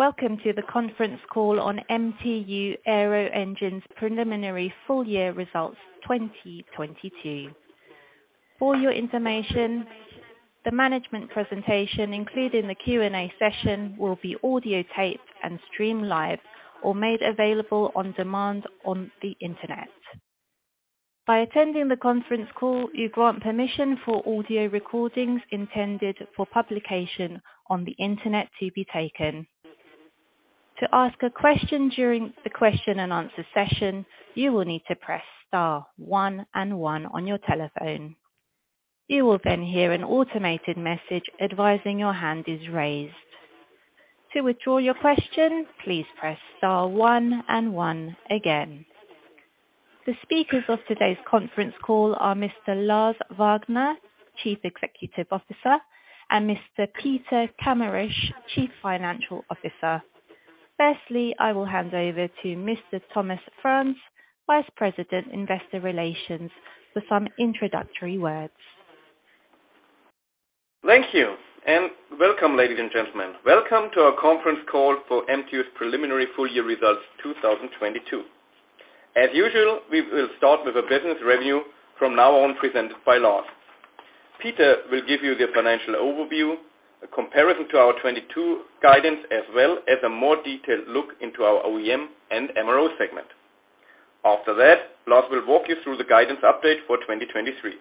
Welcome to the conference call on MTU Aero Engines preliminary full year results 2022. For your information, the management presentation, including the Q&A session, will be audio taped and streamed live or made available on demand on the Internet. By attending the conference call, you grant permission for audio recordings intended for publication on the Internet to be taken. To ask a question during the question and answer session, you will need to press star one and one on your telephone. You will hear an automated message advising your hand is raised. To withdraw your question, please press star one and one again. The speakers of today's conference call are Mr. Lars Wagner, Chief Executive Officer, and Mr. Peter Kameritsch, Chief Financial Officer. Firstly, I will hand over to Mr. Thomas Franz, Vice President, Investor Relations, with some introductory words. Thank you. Welcome, ladies and gentlemen. Welcome to our conference call for MTU's preliminary full year results 2022. As usual, we will start with a business review from now on presented by Lars. Peter will give you the financial overview, a comparison to our 2022 guidance, as well as a more detailed look into our OEM and MRO segment. Lars will walk you through the guidance update for 2023.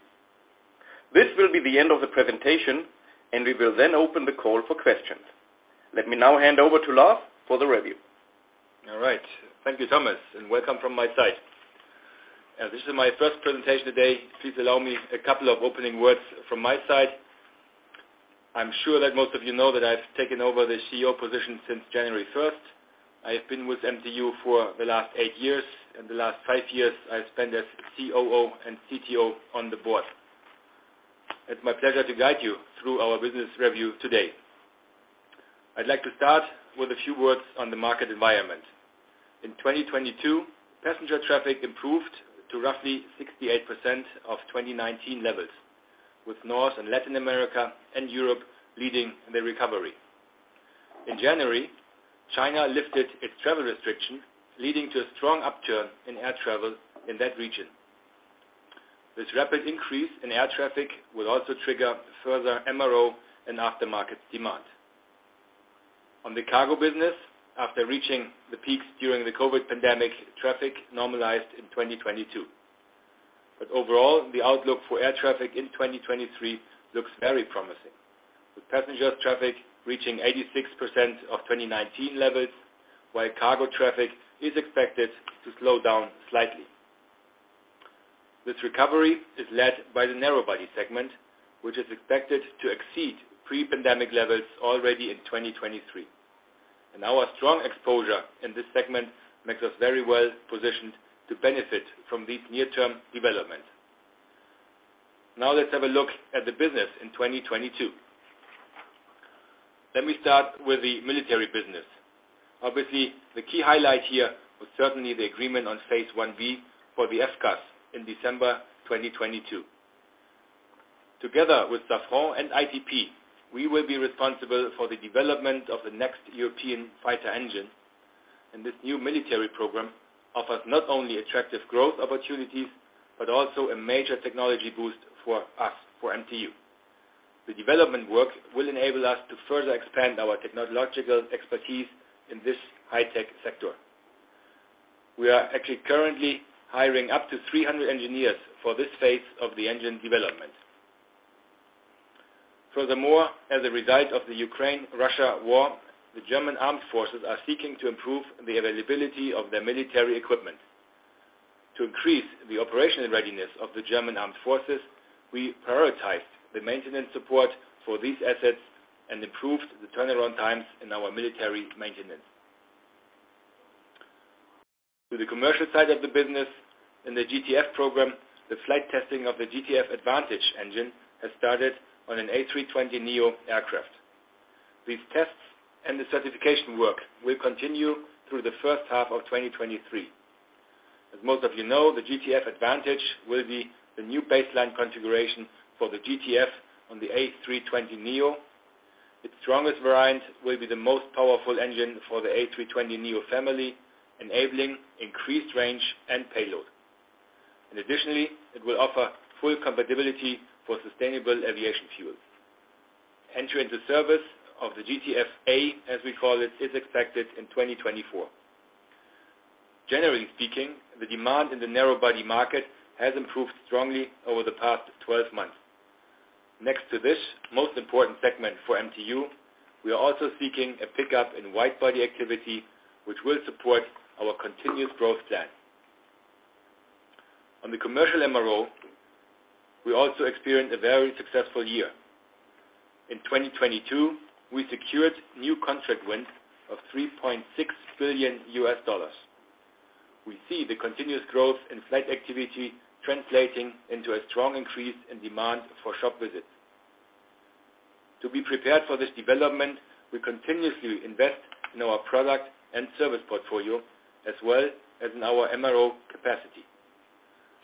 This will be the end of the presentation, and we will then open the call for questions. Let me now hand over to Lars for the review. All right. Thank you, Thomas, and welcome from my side. This is my first presentation today. Please allow me a couple of opening words from my side. I'm sure that most of you know that I've taken over the CEO position since January first. I have been with MTU for the last eight years, and the last five years I spent as COO and CTO on the board. It's my pleasure to guide you through our business review today. I'd like to start with a few words on the market environment. In 2022, passenger traffic improved to roughly 68% of 2019 levels, with North and Latin America and Europe leading the recovery. In January, China lifted its travel restriction, leading to a strong upturn in air travel in that region. This rapid increase in air traffic will also trigger further MRO and aftermarket demand. On the cargo business, after reaching the peaks during the COVID pandemic, traffic normalized in 2022. Overall, the outlook for air traffic in 2023 looks very promising, with passenger traffic reaching 86% of 2019 levels, while cargo traffic is expected to slow down slightly. This recovery is led by the narrow body segment, which is expected to exceed pre-pandemic levels already in 2023. Our strong exposure in this segment makes us very well-positioned to benefit from these near-term developments. Let's have a look at the business in 2022. Let me start with the military business. Obviously, the key highlight here was certainly the agreement on Phase 1B for the FCAS in December 2022. Together with Safran and ITP, we will be responsible for the development of the next European fighter engine. This new military program offers not only attractive growth opportunities, but also a major technology boost for us, for MTU. The development work will enable us to further expand our technological expertise in this high-tech sector. We are actually currently hiring up to 300 engineers for this phase of the engine development. Furthermore, as a result of the Ukraine-Russia war, the German armed forces are seeking to improve the availability of their military equipment. To increase the operational readiness of the German armed forces, we prioritized the maintenance support for these assets and improved the turnaround times in our military maintenance. To the commercial side of the business, in the GTF program, the flight testing of the GTF Advantage engine has started on an A320neo aircraft. These tests and the certification work will continue through the first half of 2023. As most of you know, the GTF Advantage will be the new baseline configuration for the GTF on the A320neo. Its strongest variant will be the most powerful engine for the A320neo family, enabling increased range and payload. Additionally, it will offer full compatibility for sustainable aviation fuel. Entry into service of the GTF A, as we call it, is expected in 2024. Generally speaking, the demand in the narrow body market has improved strongly over the past 12 months. Next to this most important segment for MTU, we are also seeking a pickup in wide body activity, which will support our continuous growth plan. On the commercial MRO, we also experienced a very successful year. In 2022, we secured new contract wins of $3.6 billion. We see the continuous growth in flight activity translating into a strong increase in demand for shop visits. To be prepared for this development, we continuously invest in our product and service portfolio as well as in our MRO capacity.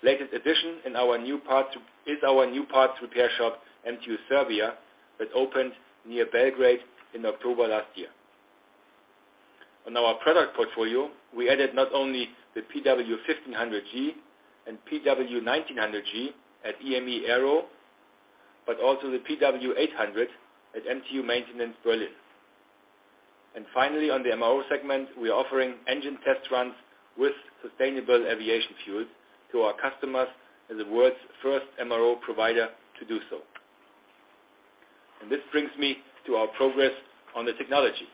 Latest addition in our new parts is our new parts repair shop, MTU Serbia, that opened near Belgrade in October last year. On our product portfolio, we added not only the PW1500G and PW1900G at EME Aero, but also the PW800 at MTU Maintenance Berlin. Finally, on the MRO segment, we are offering engine test runs with sustainable aviation fuel to our customers as the world's first MRO provider to do so. This brings me to our progress on the technology.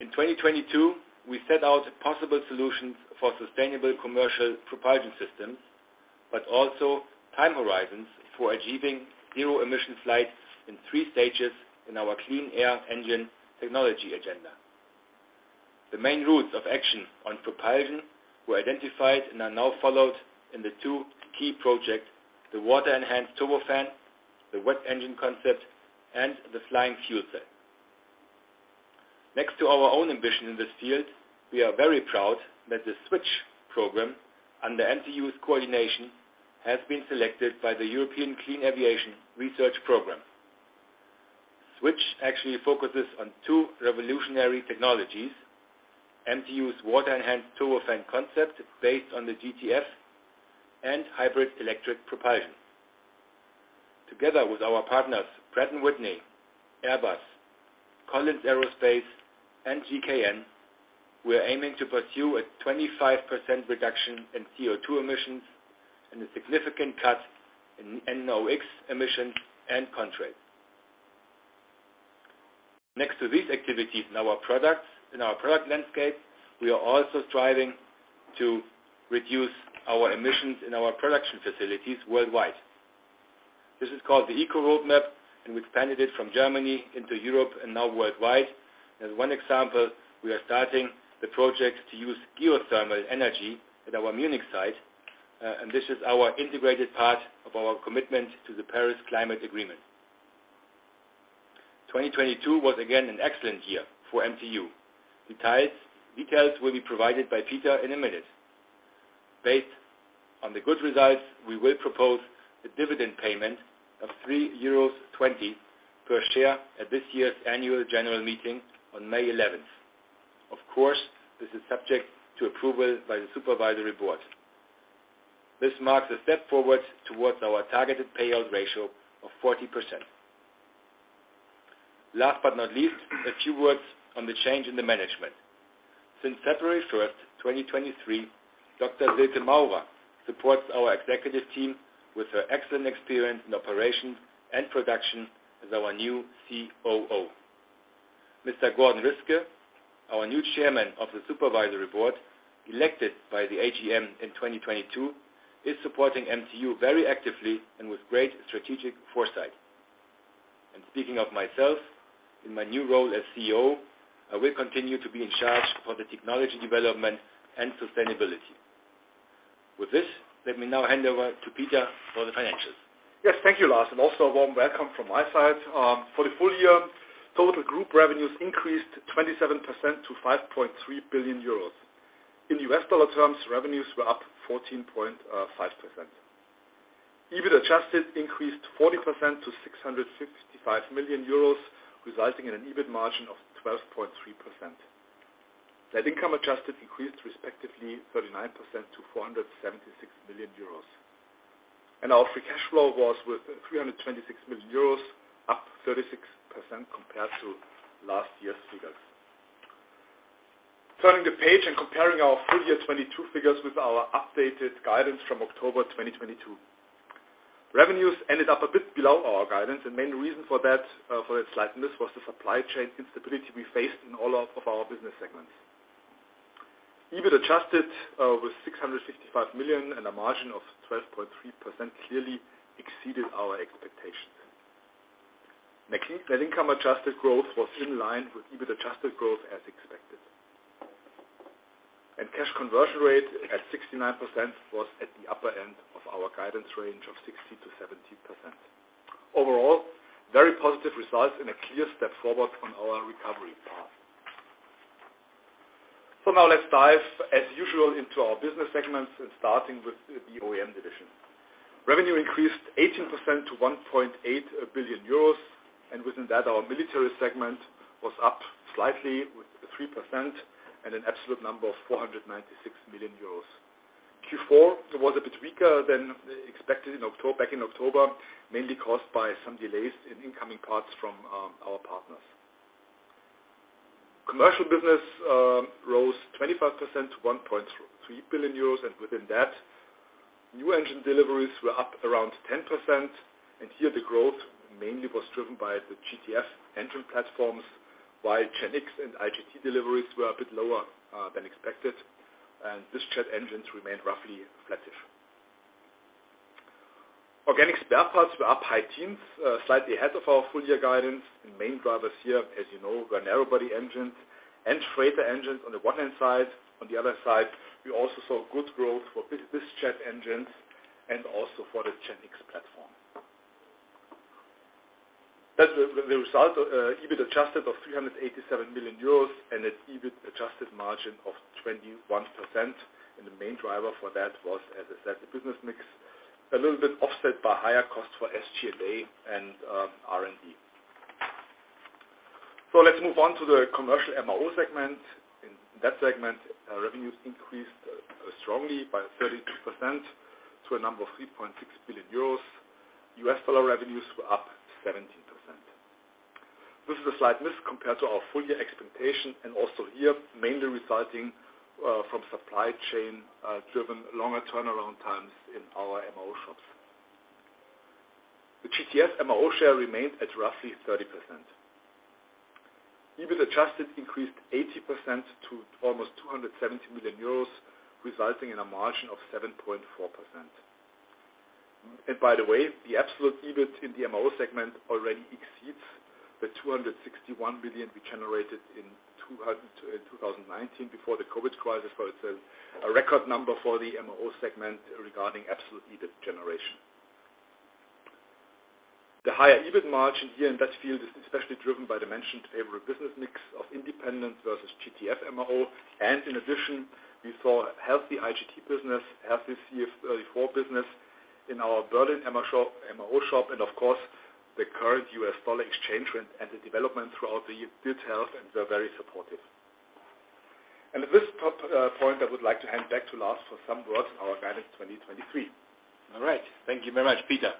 In 2022, we set out possible solutions for sustainable commercial propulsion systems, but also time horizons for achieving zero-emission flights in three stages in our Clean Air Engine technology agenda. The main routes of action on propulsion were identified and are now followed in the two key projects, the Water-Enhanced Turbofan, the WET Engine concept, and the Flying Fuel Cell. Next to our own ambition in this field, we are very proud that the SWITCH program under MTU's coordination has been selected by the European Clean Aviation Research Program. SWITCH actually focuses on two revolutionary technologies, MTU's Water-Enhanced Turbofan concept based on the GTF and hybrid electric propulsion. Together with our partners, Pratt & Whitney, Airbus, Collins Aerospace, and GKN, we are aiming to pursue a 25% reduction in CO₂ emissions and a significant cut in NOx emissions and contrails. Next to these activities in our product landscape, we are also striving to reduce our emissions in our production facilities worldwide. This is called the ecoRoadmap, and we've expanded it from Germany into Europe and now worldwide. As one example, we are starting the project to use geothermal energy at our Munich site, and this is our integrated part of our commitment to the Paris Agreement. 2022 was again an excellent year for MTU. Details will be provided by Peter in a minute. Based on the good results, we will propose a dividend payment of 3.20 euros per share at this year's annual general meeting on May 11th. Of course, this is subject to approval by the supervisory board. This marks a step forward towards our targeted payout ratio of 40%. Last but not least, a few words on the change in the management. Since February 1, 2023, Dr. Silke Maurer supports our executive team with her excellent experience in operations and production as our new COO. Mr. Gordon Riske, our new chairman of the supervisory board, elected by the AGM in 2022, is supporting MTU very actively and with great strategic foresight. Speaking of myself, in my new role as CEO, I will continue to be in charge for the technology development and sustainability. With this, let me now hand over to Peter for the financials. Yes. Thank you, Lars, and also a warm welcome from my side. For the full year, total group revenues increased 27% to 5.3 billion euros. In US dollar terms, revenues were up 14.5%. EBIT adjusted increased 40% to 665 million euros, resulting in an EBIT margin of 12.3%. Net income adjusted increased respectively 39% to 476 million euros. Our free cash flow was with 326 million euros, up 36% compared to last year's figures. Turning the page and comparing our full year 2022 figures with our updated guidance from October 2022. Revenues ended up a bit below our guidance. The main reason for that slight miss was the supply chain instability we faced in all of our business segments. EBIT adjusted, with 665 million and a margin of 12.3% clearly exceeded our expectations. Net income adjusted growth was in line with EBIT adjusted growth as expected. cash conversion rate at 69% was at the upper end of our guidance range of 60%-70%. Overall, very positive results and a clear step forward on our recovery path. Now let's dive as usual into our business segments and starting with the OEM division. Revenue increased 18% to 1.8 billion euros, within that, our military segment was up slightly with 3% and an absolute number of 496 million euros. Q4 was a bit weaker than expected back in October, mainly caused by some delays in incoming parts from our partners. Commercial business rose 25% to 1.3 billion euros. Within that, new engine deliveries were up around 10%. Here the growth mainly was driven by the GTF engine platforms, while GEnx and IGT deliveries were a bit lower than expected, and this jet engines remained roughly flat-ish. Organic spare parts were up high teens, slightly ahead of our full year guidance. Main drivers here, as you know, were narrow body engines and freighter engines on the one hand side. On the other side, we also saw good growth for biz jet engines and also for the GEnx platform. That's the result, EBIT adjusted of 387 million euros and an EBIT adjusted margin of 21%. The main driver for that was, as I said, the business mix a little bit offset by higher costs for SG&A and R&D. Let's move on to the commercial MRO segment. In that segment, revenues increased strongly by 32% to a number of 3.6 billion euros. U.S. dollar revenues were up 17%. This is a slight miss compared to our full year expectation, and also here, mainly resulting from supply chain driven longer turnaround times in our MRO shops. The GTF MRO share remained at roughly 30%. EBIT adjusted increased 80% to almost 270 million euros, resulting in a margin of 7.4%. By the way, the absolute EBIT in the MRO segment already exceeds 261 million we generated in 2019 before the COVID crisis, but it's a record number for the MRO segment regarding absolute EBIT generation. The higher EBIT margin here in that field is especially driven by the mentioned favorable business mix of independent versus GTF MRO. In addition, we saw a healthy IGT business, healthy CF34 business in our Berlin MRO shop, and of course, the current US dollar exchange rate and the development throughout the year detailed and they're very supportive. At this point, I would like to hand back to Lars for some words on our guidance 2023. All right. Thank you very much, Peter.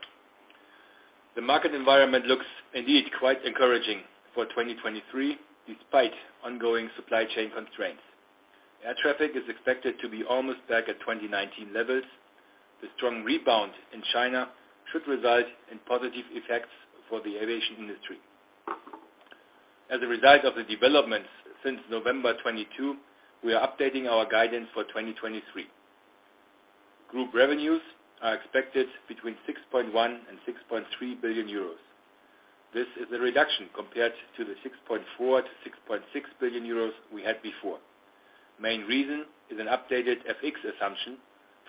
The market environment looks indeed quite encouraging for 2023, despite ongoing supply chain constraints. Air traffic is expected to be almost back at 2019 levels. The strong rebound in China should result in positive effects for the aviation industry. As a result of the developments since November 2022, we are updating our guidance for 2023. Group revenues are expected between 6.1 billion and 6.3 billion euros. This is a reduction compared to the 6.4 billion-6.6 billion euros we had before. Main reason is an updated FX assumption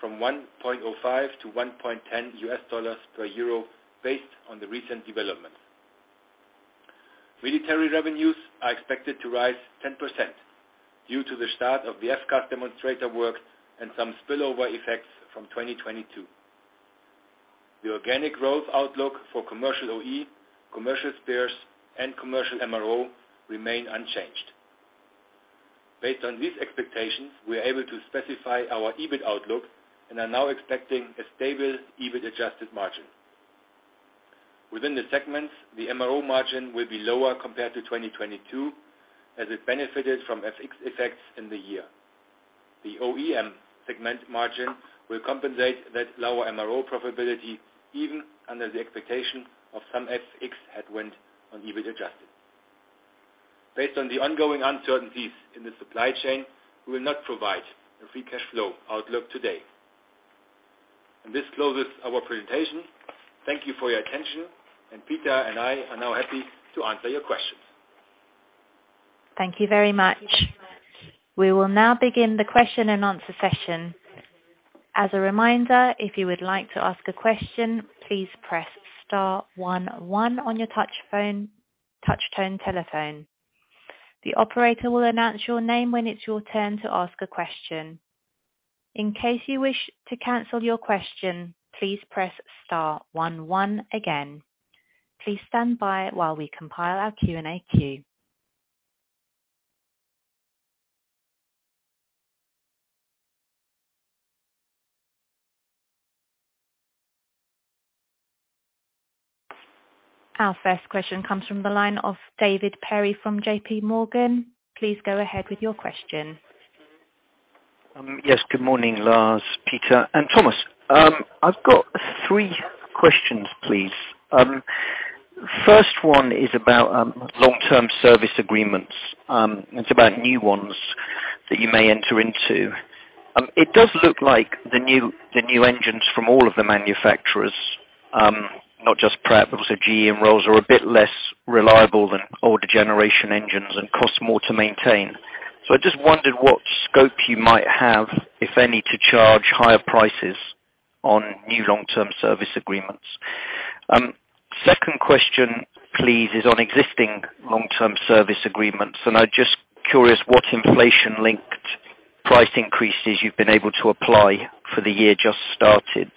from $1.05 to $1.10 per EUR based on the recent developments. Military revenues are expected to rise 10% due to the start of the FCAS demonstrator work and some spillover effects from 2022. The organic growth outlook for commercial OE, commercial spares, and commercial MRO remain unchanged. Based on these expectations, we are able to specify our EBIT outlook and are now expecting a stable EBIT adjusted margin. Within the segments, the MRO margin will be lower compared to 2022, as it benefited from FX effects in the year. The OEM segment margin will compensate that lower MRO profitability even under the expectation of some FX headwind on EBIT adjusted. Based on the ongoing uncertainties in the supply chain, we will not provide a free cash flow outlook today. This closes our presentation. Thank you for your attention, and Peter and I are now happy to answer your questions. Thank you very much. We will now begin the question and answer session. As a reminder, if you would like to ask a question, please press star one one on your touch tone telephone. The operator will announce your name when it's your turn to ask a question. In case you wish to cancel your question, please press star one one again. Please stand by while we compile our Q&A queue. Our first question comes from the line of David Perry from JP Morgan. Please go ahead with your question. Yes, good morning, Lars, Peter, and Thomas. I've got three questions, please. First one is about long-term service agreements. It's about new ones that you may enter into. It does look like the new, the new engines from all of the manufacturers, not just Pratt, but also GE and Rolls are a bit less reliable than older generation engines and cost more to maintain. I just wondered what scope you might have, if any, to charge higher prices on new long-term service agreements. Second question, please, is on existing long-term service agreements, and I'm just curious what inflation-linked price increases you've been able to apply for the year just started.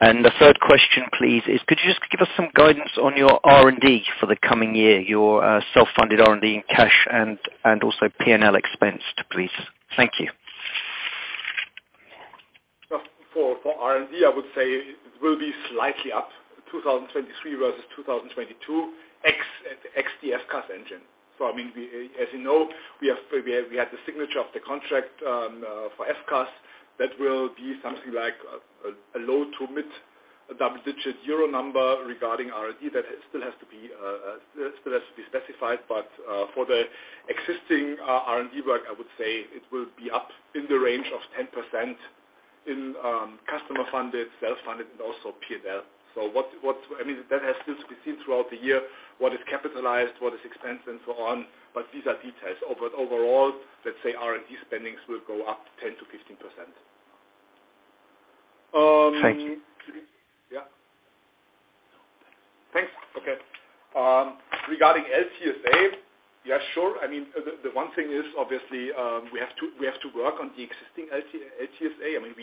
The third question, please, is could you just give us some guidance on your R&D for the coming year, your self-funded R&D in cash and also P&L expense, please? Thank you. For R&D, I would say it will be slightly up 2023 versus 2022 ex the FCAS engine. I mean, as you know, we have, we had the signature of the contract for FCAS. That will be something like a low to mid-double-digit EUR number regarding R&D. That still has to be specified. For the existing R&D work, I would say it will be up in the range of 10% in customer-funded, self-funded, and also P&L. I mean, that has still to be seen throughout the year, what is capitalized, what is expense, and so on, but these are details. Overall, let's say R&D spendings will go up 10%-15%. Yeah. Thanks. Okay. Regarding LTSA, yeah, sure. I mean, the one thing is obviously, we have to work on the existing LTSA. I mean,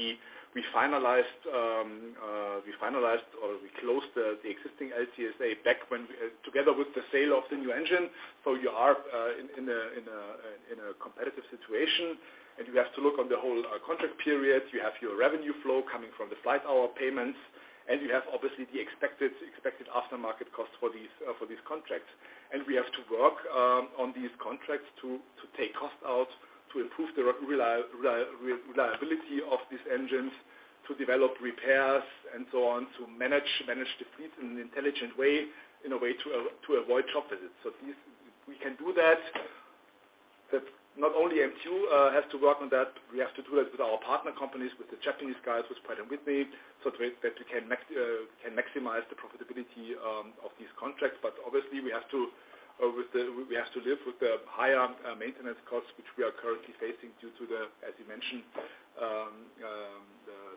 we finalized or we closed the existing LTSA back when together with the sale of the new engine. You are in a competitive situation, you have to look on the whole contract period. You have your revenue flow coming from the flight hour payments, you have obviously the expected aftermarket costs for these for these contracts. We have to work on these contracts to take costs out, to improve the reliability of these engines, to develop repairs and so on, to manage the fleet in an intelligent way, in a way to avoid chop visits. We can do that. Not only MTU has to work on that, we have to do that with our partner companies, with the Japanese guys, with Pratt & Whitney, so that we can maximize the profitability of these contracts. Obviously we have to live with the higher maintenance costs, which we are currently facing due to the, as you mentioned,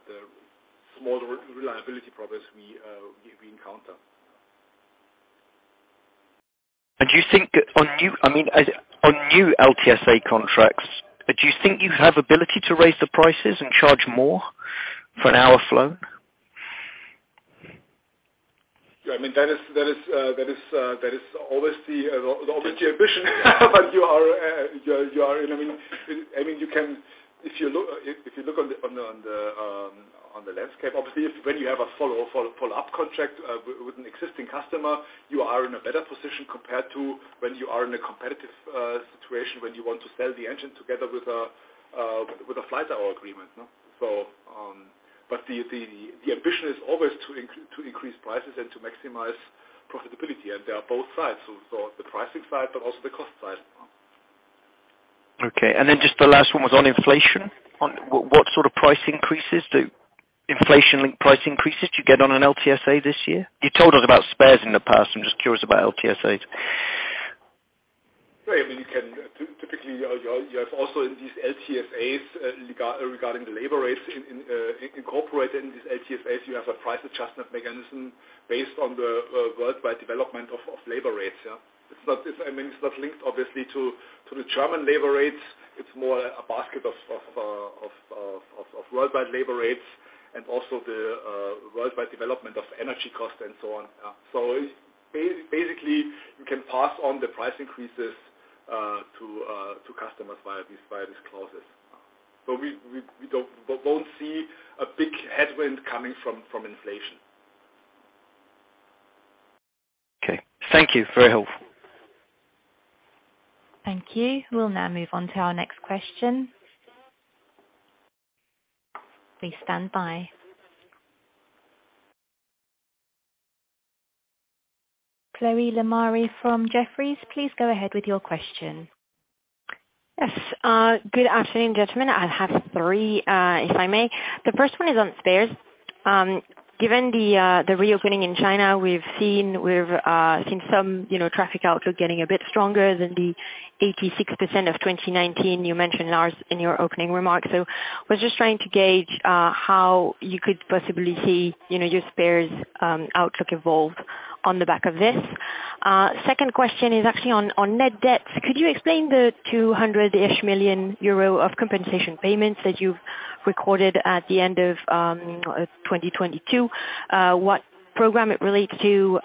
the smaller reliability progress we encounter. Do you think on new, I mean, on new LTSA contracts, do you think you have ability to raise the prices and charge more for an hour flow? Yeah, I mean, that is always the ambition, but you are I mean, I mean, you can. If you look, if you look on the landscape, obviously if when you have a follow-up contract with an existing customer, you are in a better position compared to when you are in a competitive situation, when you want to sell the engine together with a flight hour agreement, no? But the ambition is always to increase prices and to maximize profitability. There are both sides, so the pricing side, but also the cost side. Okay. Just the last one was on inflation. On what sort of price increases do inflation link price increases do you get on an LTSA this year? You told us about spares in the past. I'm just curious about LTSAs. I mean, you can typically, you have also in these LTSAs, regarding the labor rates in, incorporated in these LTSAs, you have a price adjustment mechanism based on the worldwide development of labor rates. It's not, I mean, it's not linked obviously to the German labor rates. It's more a basket of worldwide labor rates and also the worldwide development of energy costs and so on. Basically, you can pass on the price increases to customers via these clauses. We won't see a big headwind coming from inflation. Okay. Thank you. Very helpful. Thank you. We'll now move on to our next question. Please stand by. Chloé Lemarié from Jefferies, please go ahead with your question. Yes. Good afternoon, gentlemen. I have three, if I may. The first one is on spares. Given the reopening in China, we've seen, we've seen some, you know, traffic outlook getting a bit stronger than the 86% of 2019 you mentioned last in your opening remarks. I was just trying to gauge how you could possibly see, you know, your spares outlook evolve on the back of this. Second question is actually on net debts. Could you explain the 200-ish million euro of compensation payments that you've recorded at the end of 2022? What program it relates to,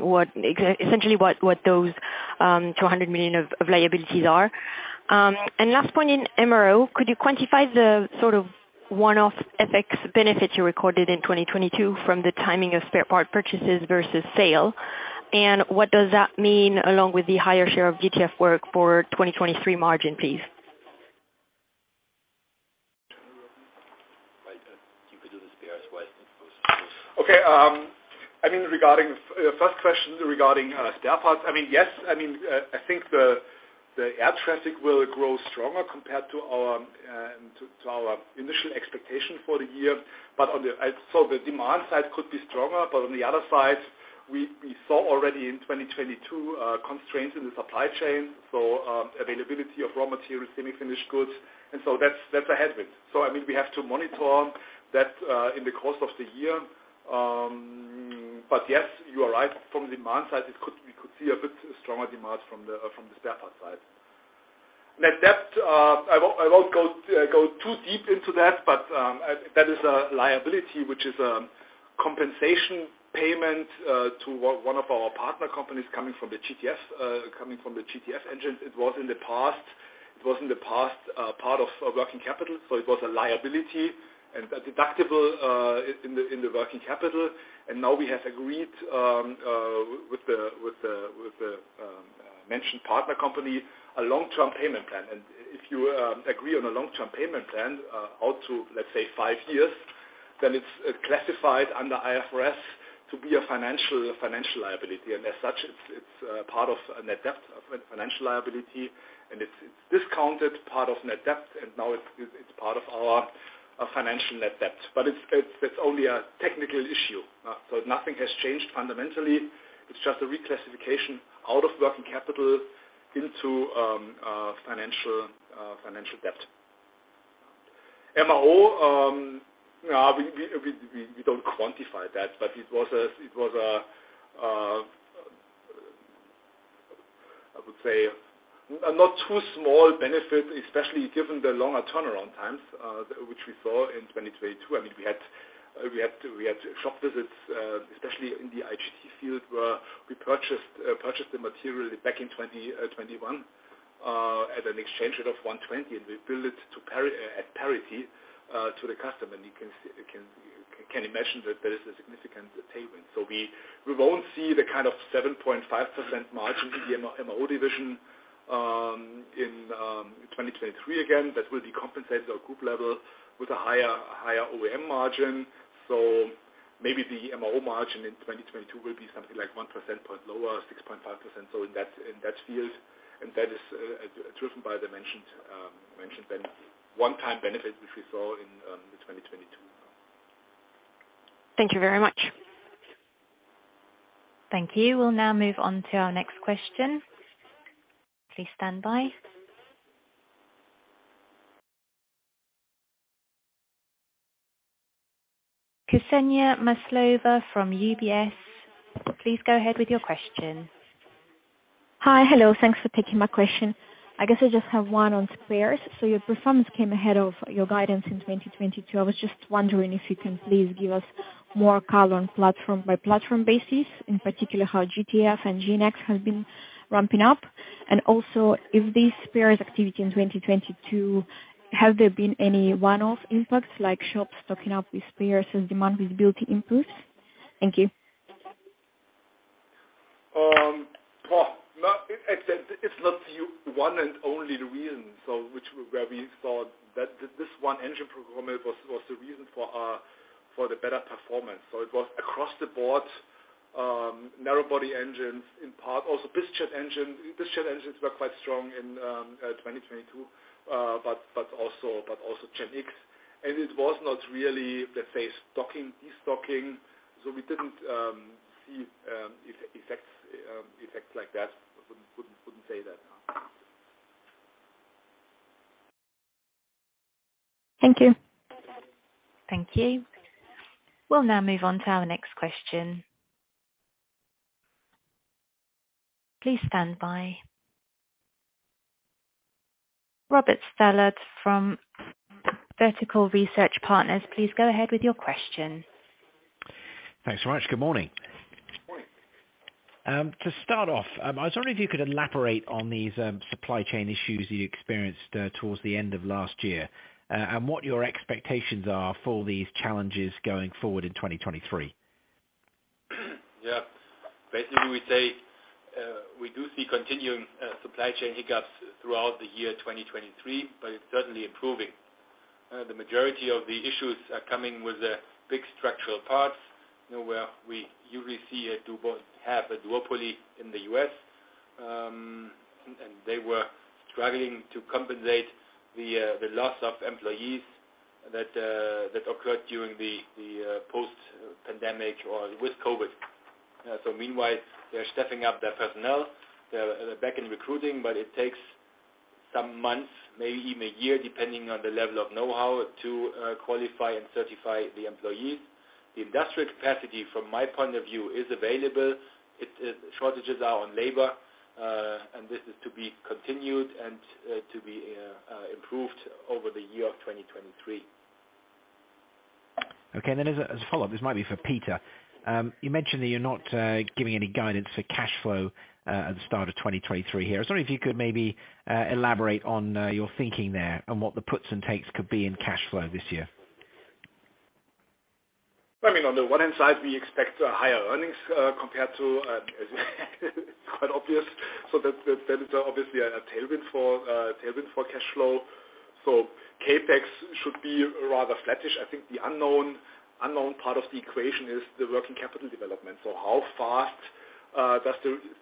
what essentially what those 200 million of liabilities are. Last one in MRO. Could you quantify the sort of one-off FX benefits you recorded in 2022 from the timing of spare part purchases versus sale? What does that mean along with the higher share of GTF work for 2023 margin, please? Right. you could do the spares wise, of course. Okay. I mean, regarding first question regarding spare parts. I mean, yes, I mean, I think the air traffic will grow stronger compared to our initial expectation for the year. The demand side could be stronger, but on the other side, we saw already in 2022 constraints in the supply chain, so availability of raw materials, semi-finished goods, and so that's a headwind. I mean, we have to monitor that in the course of the year. Yes, you are right. From demand side, we could see a bit stronger demand from the spare parts side. Net debt, I won't go too deep into that, but that is a liability which is a compensation payment to one of our partner companies coming from the GTF, coming from the GTF engines. It was in the past. It was in the past part of working capital, so it was a liability and a deductible in the working capital. Now we have agreed with the mentioned partner company, a long-term payment plan. If you agree on a long-term payment plan out to, let's say, five years, then it's classified under IFRS to be a financial liability. As such, it's part of a net debt financial liability, and it's discounted part of net debt, and now it's part of our financial net debt. It's only a technical issue, so nothing has changed fundamentally. It's just a reclassification out of working capital into financial debt. Now we don't quantify that, but it was a, I would say not too small benefit, especially given the longer turnaround times, which we saw in 2022. I mean, we had shop visits, especially in the IGT field where we purchased the material back in 2021, at an exchange rate of 1.20, and we bill it at parity to the customer. You can imagine that there is a significant tailwind. We won't see the kind of 7.5% margin in the MO division, in 2023 again, that will be compensated at group level with a higher OEM margin. Maybe the MO margin in 2022 will be something like 1 percentage point lower, 6.5%. In that field, and that is driven by the mentioned one-time benefit which we saw in the 2022. Thank you very much. Thank you. We'll now move on to our next question. Please stand by. Kseniia Maslova from UBS, please go ahead with your question. Hi. Hello. Thanks for taking my question. I guess I just have one on spares. Your performance came ahead of your guidance in 2022. I was just wondering if you can please give us more color on platform by platform basis, in particular how GTF and GEnx has been ramping up. If these spares activity in 2022, have there been any one-off impacts like shops stocking up with spares as demand visibility improves? Thank you. Well, no, it's not the one and only reason. Which where we thought that this one engine performance was the reason for the better performance. It was across the board, narrow body engines in part. Also, bizjet engine, bizjet engines were quite strong in 2022, but also GEnx. It was not really, let's say, stocking, de-stocking. We didn't see effects like that. Wouldn't say that. No. Thank you. Thank you. We'll now move on to our next question. Please stand by. Robert Stallard from Vertical Research Partners, please go ahead with your question. Thanks very much. Good morning. Good morning. To start off, I was wondering if you could elaborate on these, supply chain issues you experienced, towards the end of last year, and what your expectations are for these challenges going forward in 2023. Yeah. Basically, we say, we do see continuing supply chain hiccups throughout the year 2023, but it's certainly improving. The majority of the issues are coming with the big structural parts where we usually have a duopoly in the U.S., and they were struggling to compensate the loss of employees that occurred during the post pandemic or with COVID. Meanwhile they are stepping up their personnel. They're back in recruiting, but it takes some months, maybe even a year, depending on the level of know-how to qualify and certify the employees. The industrial capacity from my point of view, is available. Shortages are on labor, and this is to be continued and to be improved over the year of 2023. Okay. As a, as a follow-up, this might be for Peter. You mentioned that you're not giving any guidance for cash flow at the start of 2023 here. I was wondering if you could maybe elaborate on your thinking there and what the puts and takes could be in cash flow this year. I mean, on the one hand side, we expect higher earnings, compared to, it's quite obvious. That is obviously a tailwind for cash flow. CapEx should be rather flattish. I think the unknown part of the equation is the working capital development. How fast does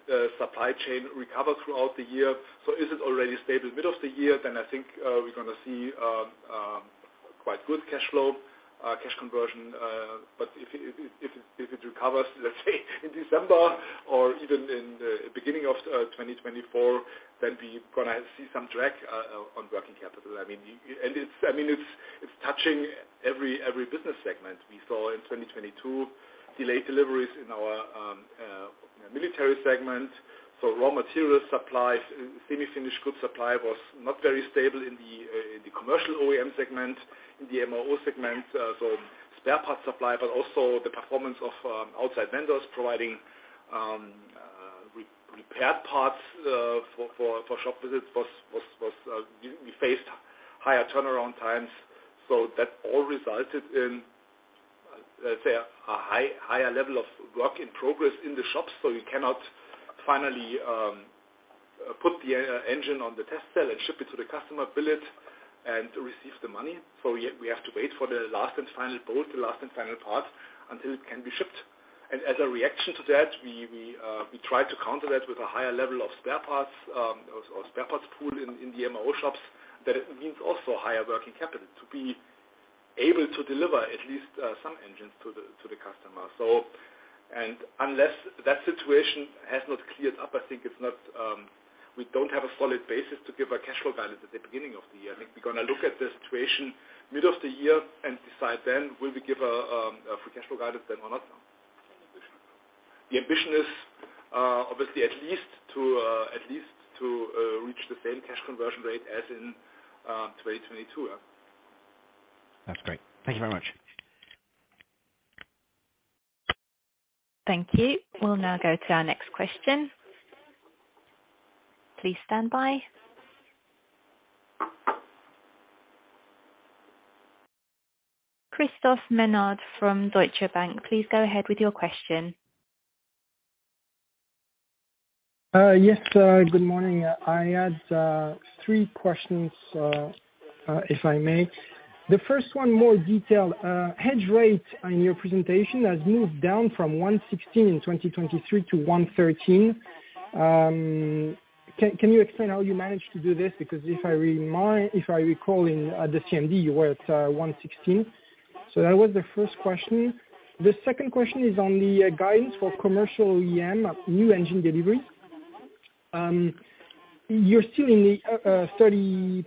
the supply chain recover throughout the year? Is it already stable middle of the year? I think we're gonna see quite good cash flow cash conversion. If it recovers, let's say in December or even in the beginning of 2024, then we're gonna see some drag on working capital. I mean, it's touching every business segment. We saw in 2022 delayed deliveries in our military segment. Raw material supplies, semi-finished goods supply was not very stable in the commercial OEM segment, in the MRO segment. Spare parts supply, but also the performance of outside vendors providing repaired parts for shop visits was we faced higher turnaround times. That all resulted in, let's say a higher level of work in progress in the shops. We cannot finally put the engine on the test cell and ship it to the customer, bill it and receive the money. We have to wait for the last and final bolt, the last and final part until it can be shipped. As a reaction to that, we try to counter that with a higher level of spare parts, or spare parts pool in the MRO shops. That means also higher working capital to be able to deliver at least some engines to the customer. Unless that situation has not cleared up, I think it's not. We don't have a solid basis to give a cash flow guidance at the beginning of the year. I think we're gonna look at the situation mid of the year and decide then will we give a free cash flow guidance then or not. The ambition is, obviously at least to reach the same cash conversion rate as in 2022. Yeah. That's great. Thank you very much. Thank you. We'll now go to our next question. Please stand by. Christophe Menard from Deutsche Bank, please go ahead with your question. Yes, good morning. I had three questions, if I may. The first one more detailed. Hedge rate in your presentation has moved down from 1.16 in 2023 to 1.13. Can you explain how you managed to do this? If I recall in the CMD, you were at 1.16. That was the first question. The second question is on the guidance for commercial EM new engine delivery. You're still in the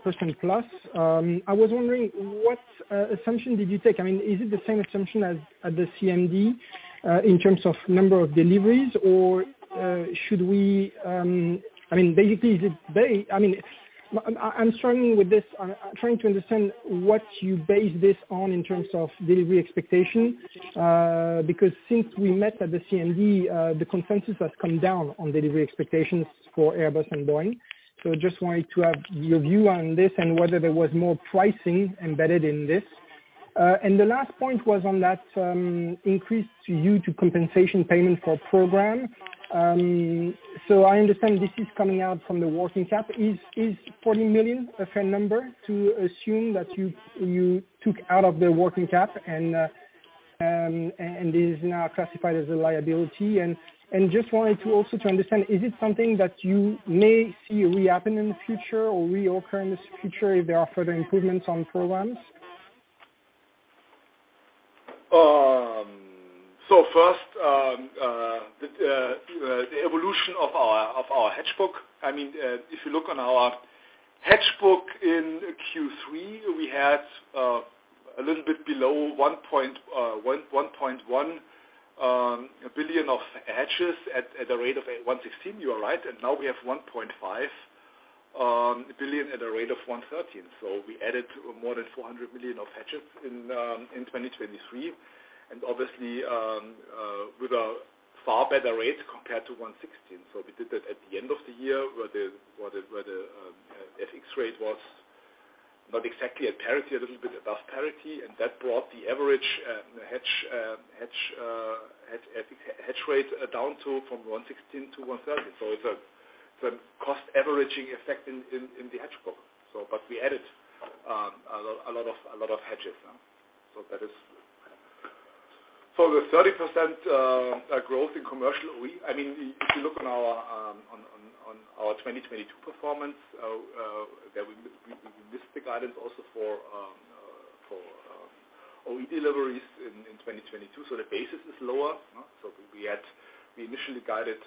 30%+. I was wondering what assumption did you take? I mean, is it the same assumption as at the CMD in terms of number of deliveries? Should we, I mean, basically, is it I mean, I'm struggling with this. I'm trying to understand what you base this on in terms of delivery expectation. Since we met at the CMD, the consensus has come down on delivery expectations for Airbus and Boeing. Just wanted to have your view on this and whether there was more pricing embedded in this. The last point was on that increase due to compensation payment for program. I understand this is coming out from the working cap. Is 40 million a fair number to assume that you took out of the working cap and is now classified as a liability? Just wanted to also to understand, is it something that you may see re-happen in the future or reoccur in the future if there are further improvements on programs? First, the evolution of our hedge book. I mean, if you look on our hedge book in Q3, we had a little bit below 1.1 billion of hedges at a rate of 1.16. You are right. Now we have 1.5 billion at a rate of 1.13. We added more than 200 million of hedges in 2023. Obviously, with a far better rate compared to 1.16. We did that at the end of the year, where the FX rate was not exactly at parity, a little bit above parity, and that brought the average hedge rate down from 1.16 to 1.13. It's a cost averaging effect in the hedge book. We added a lot of hedges. The 30% growth in commercial, I mean, if you look on our 2022 performance that we missed the guidance also for OE deliveries in 2022. The basis is lower. We initially guided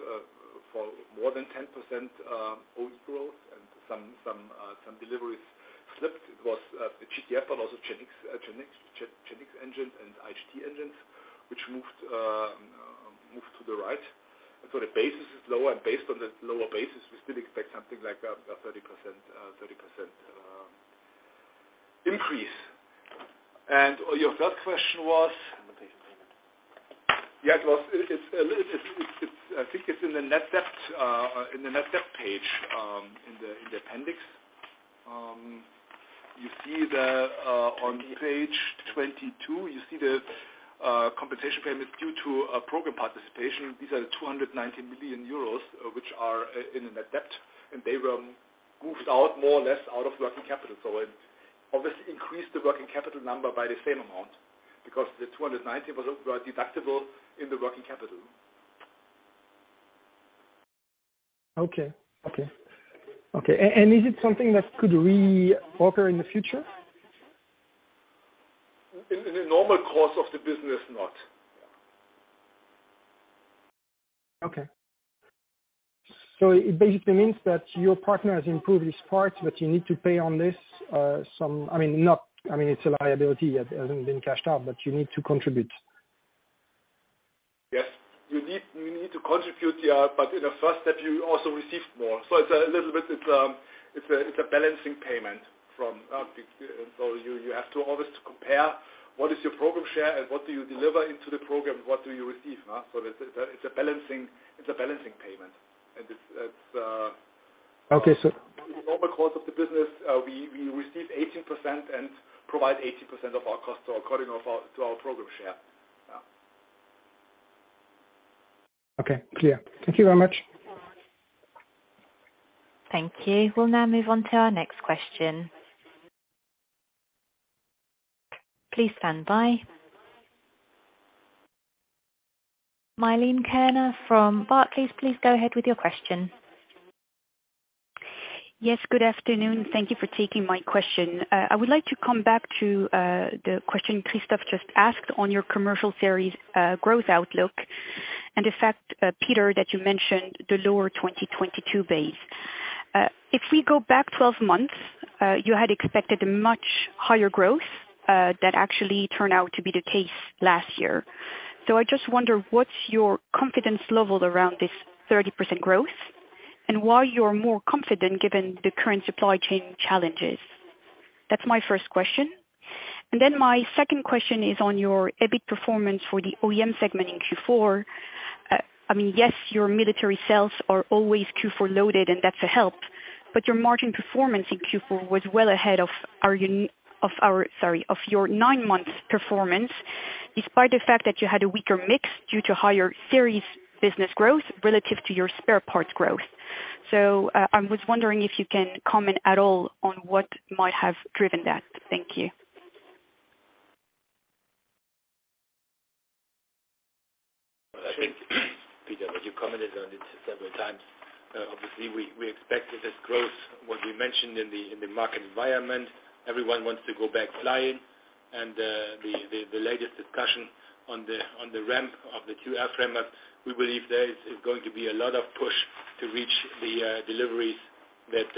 for more than 10% OE growth and some deliveries slipped. It was the GTF, but also GEnX engine and IGT engines, which moved to the right. The basis is lower. Based on the lower basis, we still expect something like a 30% increase. Your third question was? Compensation payment. I think it's in the net debt in the net debt page in the appendix. You see the on page 22, you see the compensation payment due to a program participation. These are the 290 million euros which are in a net debt, and they were goofed out more or less out of working capital. It obviously increased the working capital number by the same amount because the 290 was deductible in the working capital. Okay. Okay. Okay. Is it something that could reoccur in the future? In a normal course of the business, not. It basically means that your partner has improved his part, but you need to pay on this, I mean, it's a liability. It hasn't been cashed out, but you need to contribute. Yes, you need to contribute, yeah. In the first step, you also received more. It's a little bit, it's a balancing payment from, you have to always compare what is your program share and what do you deliver into the program, what do you receive. It's a balancing payment. It's. Okay. Over the course of the business, we receive 18% and provide 80% of our cost to our program share. Yeah. Okay. Clear. Thank you very much. Thank you. We'll now move on to our next question. Please stand by. Milène Kerner from Barclays, please go ahead with your question. Yes, good afternoon. Thank you for taking my question. I would like to come back to the question Christophe just asked on your commercial series growth outlook, and the fact, Peter, that you mentioned the lower 2022 base. If we go back 12 months, you had expected a much higher growth that actually turned out to be the case last year. I just wonder what's your confidence level around this 30% growth, and why you're more confident given the current supply chain challenges? That's my first question. My second question is on your EBIT performance for the OEM segment in Q4. I mean, yes, your military sales are always Q4 loaded and that's a help, but your margin performance in Q4 was well ahead of our... Sorry, of your nine-month performance, despite the fact that you had a weaker mix due to higher series business growth relative to your spare parts growth. I was wondering if you can comment at all on what might have driven that. Thank you. I think, Peter, but you commented on it several times. Obviously we expected this growth, what we mentioned in the market environment. Everyone wants to go back flying and the latest discussion on the ramp of the two airframers, we believe there is going to be a lot of push to reach the deliveries that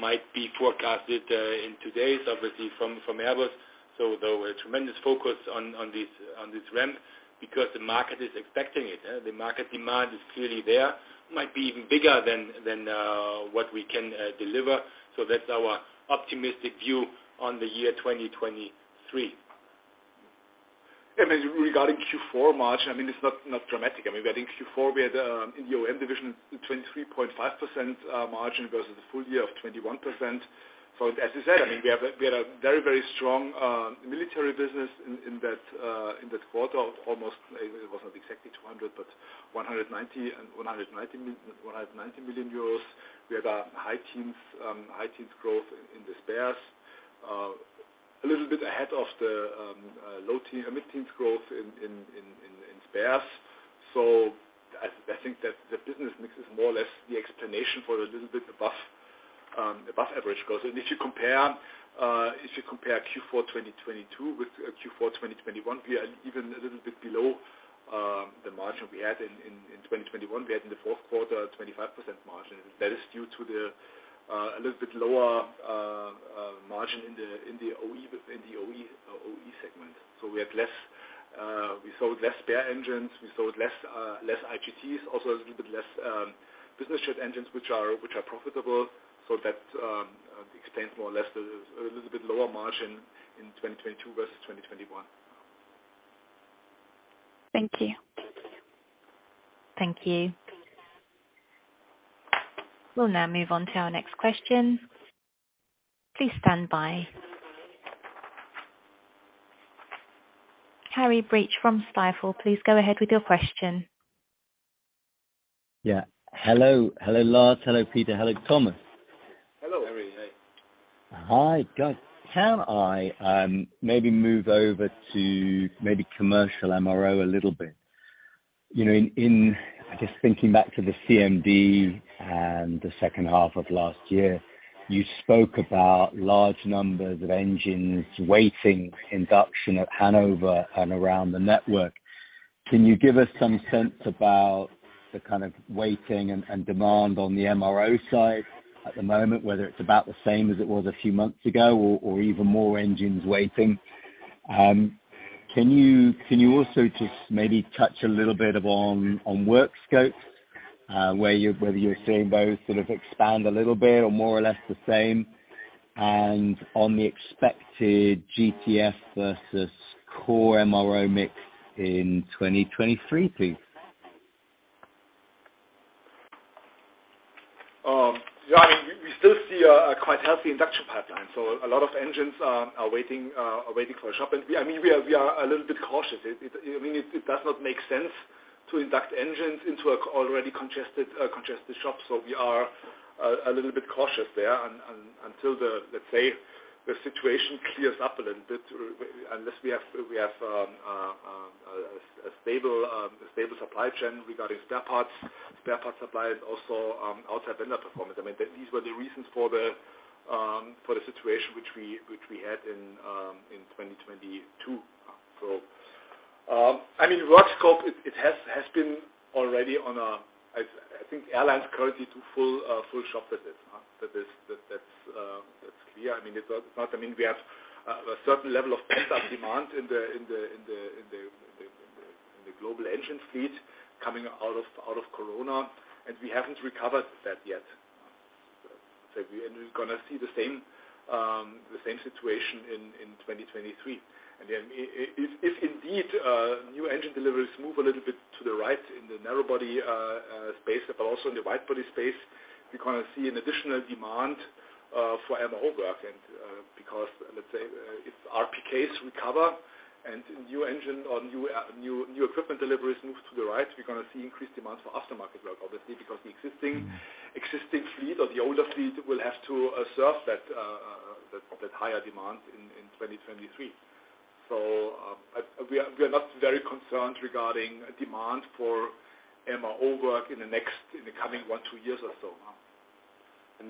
might be forecasted in today's obviously from Airbus. There were a tremendous focus on this ramp because the market is expecting it. The market demand is clearly there. Might be even bigger than what we can deliver. That's our optimistic view on the year 2023. Regarding Q4 margin, I mean, it's not dramatic. I mean, I think Q4, we had in the OEM division, 23.5% margin versus the full year of 21%. As you said, I mean, we had a very, very strong military business in that quarter, almost it was not exactly 200, but 190 million euros. We had a high teens growth in the spares. A little bit ahead of the low teen, mid-teens growth in spares. I think that the business mix is more or less the explanation for a little bit above above average growth. If you compare Q4 2022 with Q4 2021, we are even a little bit below the margin we had in 2021. We had in the fourth quarter a 25% margin. That is due to the a little bit lower margin in the OE segment. We had less, we sold less spare engines, we sold less IGTs, also a little bit less business jet engines, which are profitable. That explains more or less a little bit lower margin in 2022 versus 2021. Thank you. Thank you. We'll now move on to our next question. Please stand by. Harry Breach from Stifel, please go ahead with your question. Yeah. Hello. Hello, Lars. Hello, Peter. Hello, Thomas. Hello. Harry, hey. Hi, guys. Can I maybe move over to maybe commercial MRO a little bit? You know, just thinking back to the CMD and the second half of last year, you spoke about large numbers of engines waiting induction at Hanover and around the network. Can you give us some sense about the kind of waiting and demand on the MRO side at the moment, whether it's about the same as it was a few months ago or even more engines waiting? Can you also just maybe touch a little bit of on work scopes, whether you're seeing those sort of expand a little bit or more or less the same? On the expected GTF versus core MRO mix in 2023, please. Yeah, I mean, we still see a quite healthy induction pipeline. A lot of engines are waiting for a shop. I mean, we are a little bit cautious. I mean, it does not make sense to induct engines into a already congested shop. We are a little bit cautious there until the, let's say, the situation clears up a little bit, unless we have a stable supply chain regarding spare parts suppliers also, outside vendor performance. I mean, these were the reasons for the situation which we had in 2022. I mean, work scope it has been already I think airlines currently do full shop visits, that is, that's clear. I mean, it's not, I mean, we have a certain level of pent-up demand in the global engine fleet coming out of Corona, and we haven't recovered that yet. We are gonna see the same situation in 2023. If indeed, new engine deliveries move a little bit to the right in the narrow body space, but also in the wide body space, we're gonna see an additional demand for MRO work. Because let's say, if our PKs recover and new engine or new equipment deliveries move to the right, we're gonna see increased demands for aftermarket work, obviously, because the existing fleet or the older fleet will have to absorb that higher demand in 2023. We are not very concerned regarding demand for MRO work in the coming one, two years or so.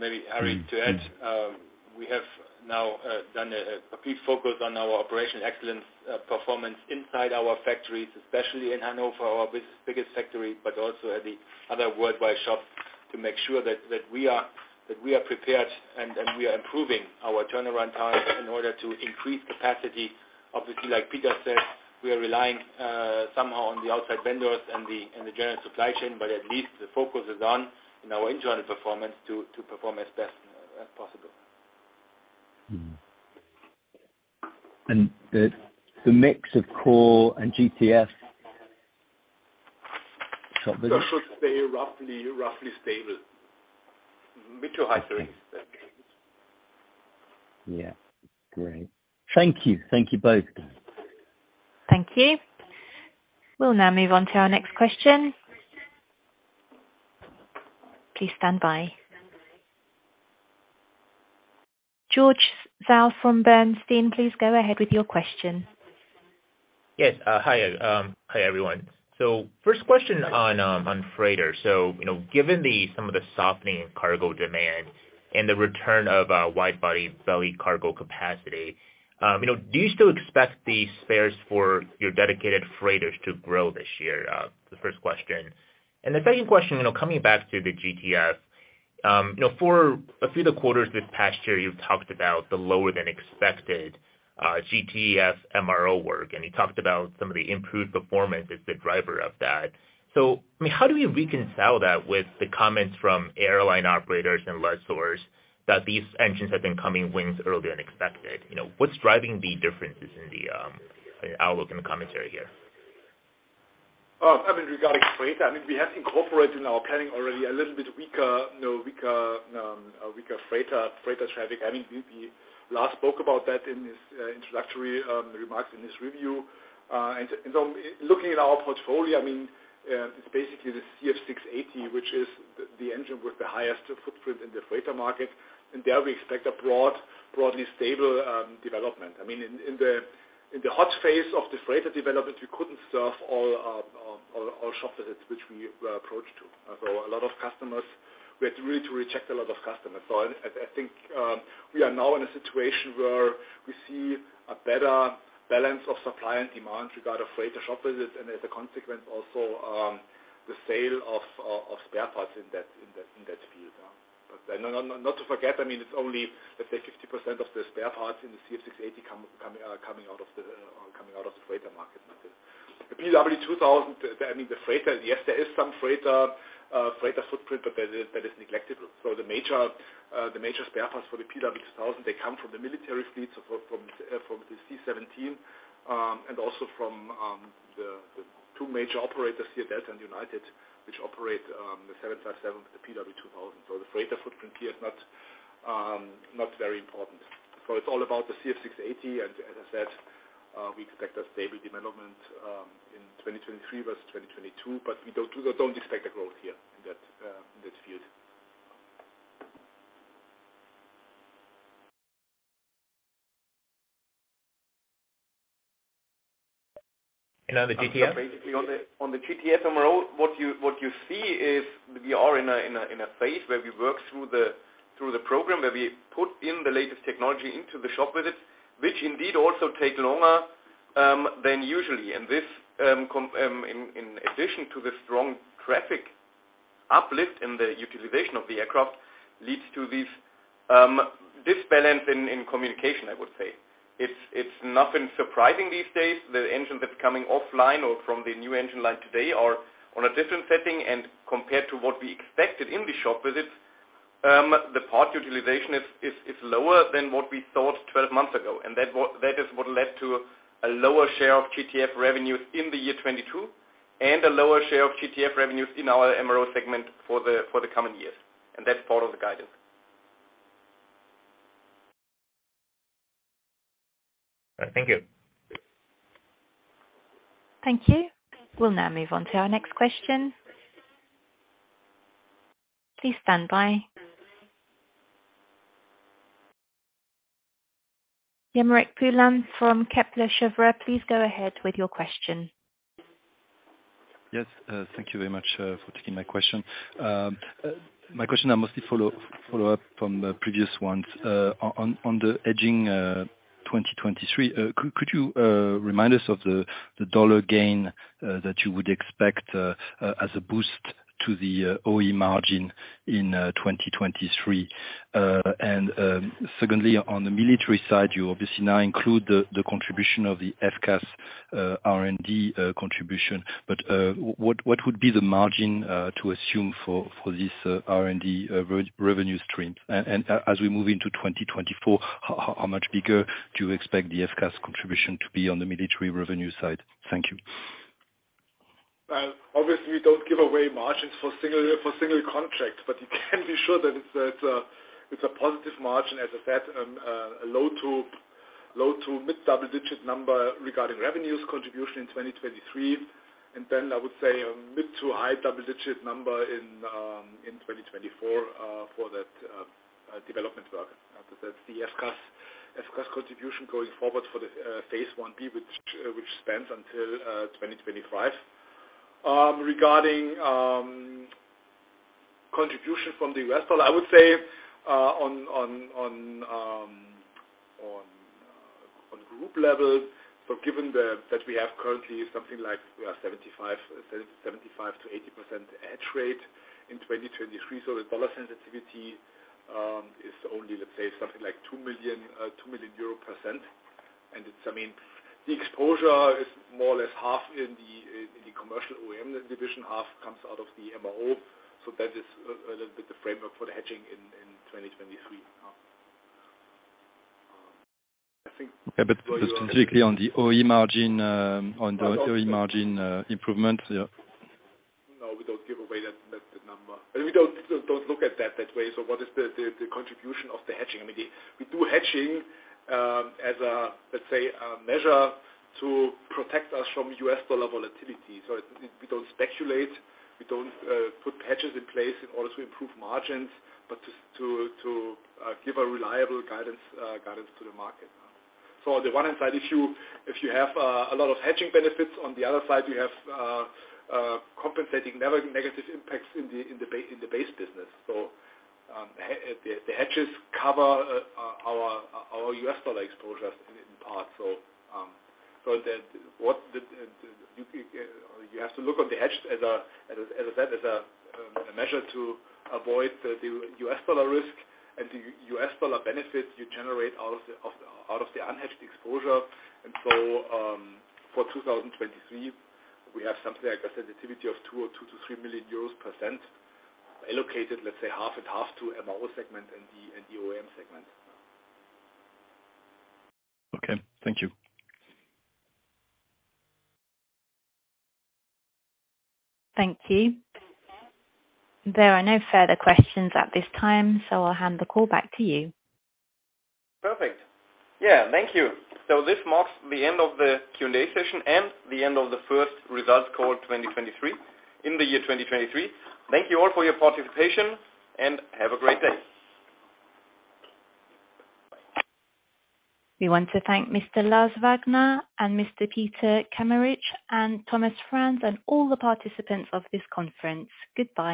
Maybe Harry, to add, we have now done a big focus on our operation excellence performance inside our factories, especially in Hanover, our biggest factory, but also at the other worldwide shops to make sure that we are prepared and we are improving our turnaround time in order to increase capacity. Obviously, like Peter said, we are relying somehow on the outside vendors and the general supply chain, but at least the focus is on, in our internal performance to perform as best as possible. The mix of core and GTS shop visits? That should stay roughly stable. Bit to high threes. Yeah. Great. Thank you. Thank you both. Thank you. We'll now move on to our next question. Please stand by. George Zhao from Bernstein, please go ahead with your question. Yes. Hi, hi, everyone. First question on freighter. You know, given the some of the softening cargo demand and the return of wide-body belly cargo capacity, you know, do you still expect the spares for your dedicated freighters to grow this year? The first question. The second question, you know, coming back to the GTFs, you know, for a few of the quarters this past year, you've talked about the lower than expected GTF MRO work, and you talked about some of the improved performance as the driver of that. I mean, how do we reconcile that with the comments from airline operators and lessors that these engines have been coming wings earlier than expected? You know, what's driving the differences in the outlook and the commentary here? Regarding freighter, we have incorporated in our planning already a little bit weaker, a weaker freighter traffic. We last spoke about that in this introductory remarks in this review. Looking at our portfolio, it's basically the CF6-80, which is the engine with the highest footprint in the freighter market. There we expect a broadly stable development. In the hot phase of this freighter development, we couldn't serve all shop visits which we were approached to. A lot of customers. We had to really to reject a lot of customers. I think we are now in a situation where we see a better balance of supply and demand regarding freighter shop visits and as a consequence also the sale of spare parts in that field. Not to forget, it's only 50% of the spare parts in the CF6-80 coming out of the freighter market. The PW2000, the freighter, yes, there is some freighter footprint, but that is negligible. The major spare parts for the PW2000, they come from the military fleet, from the C-17, and also from the two major operators, Delta and United, which operate the 757, the PW2000. The freighter footprint here is not not very important. It's all about the CF6-80. As I said, we expect a stable development in 2023 versus 2022, but we don't expect a growth here in that in that field. on the GTF? Basically on the GTF MRO, what you see is we are in a phase where we work through the program, where we put in the latest technology into the shop visits, which indeed also take longer than usually. This in addition to the strong traffic uplift in the utilization of the aircraft, leads to this balance in communication, I would say. It's nothing surprising these days. The engines that's coming offline or from the new engine line today are on a different setting. Compared to what we expected in the shop visits, the part utilization is lower than what we thought 12 months ago. That is what led to a lower share of GTS revenues in the year 2022 and a lower share of GTS revenues in our MRO segment for the coming years. That's part of the guidance. Thank you. Thank you. We'll now move on to our next question. Please stand by. Aymeric Poulain from Kepler Cheuvreux, please go ahead with your question. Yes. Thank you very much for taking my question. My question are mostly follow-up from the previous ones. On the hedging, 2023, could you remind us of the $ gain that you would expect as a boost to the OE margin in 2023? Secondly, on the military side, you obviously now include the contribution of the FCAS R&D contribution. What would be the margin to assume for this R&D re-revenue stream? As we move into 2024, how much bigger do you expect the FCAS contribution to be on the military revenue side? Thank you. Obviously, we don't give away margins for single contract, but you can be sure that it's a positive margin. As I said, low to mid double-digit number regarding revenues contribution in 2023, then I would say a mid to high double-digit number in 2024 for that development work. That's the FCAS contribution going forward for the Phase 1B which spans until 2025. Regarding contribution from the US dollar, I would say on group level, given that we have currently something like 75-80% hedge rate in 2023. The dollar sensitivity is only something like 2 million percent. I mean, the exposure is more or less half in the, in the commercial OEM division, half comes out of the MRO. That is a little bit the framework for the hedging in 2023. I think. Yeah, but specifically on the OE margin, improvement, yeah. No, we don't give away that number. We don't look at that way. What is the contribution of the hedging? I mean, we do hedging, as a, let's say, a measure to protect us from US dollar volatility. We don't speculate, we don't put hedges in place in order to improve margins, but to give a reliable guidance to the market. On the one hand side, if you have a lot of hedging benefits, on the other side you have compensating negative impacts in the base business. The hedges cover our US dollar exposure in part. What the, you have to look on the hedge as I said, as a measure to avoid the US dollar risk and the US dollar benefit you generate out of the unhedged exposure. For 2023, we have something like a sensitivity of two or two to three million euros % allocated, let's say, half and half to MRO segment and the OEM segment. Okay. Thank you. Thank you. There are no further questions at this time, so I'll hand the call back to you. Perfect. Yeah, thank you. This marks the end of the Q&A session and the end of the first results call 2023, in the year 2023. Thank you all for your participation, and have a great day. We want to thank Mr. Lars Wagner and Mr. Peter Kameritsch and Thomas Franz and all the participants of this conference. Goodbye.